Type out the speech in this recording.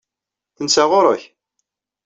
Tensa ɣur-k?